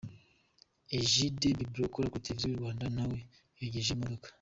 Egidie Bibio ukora kuri Televiziyo y'u Rwanda na we yogeje imodoka.